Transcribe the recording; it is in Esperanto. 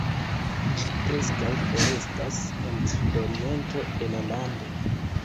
Ĝi preskaŭ forestas el sudoriento de la lando.